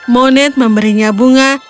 moned memberinya bunga